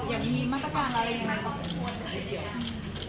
อย่างงี้มาตรการอะไรใช้ควร